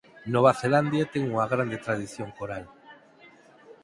Nova Zelandia ten unha gran tradición coral.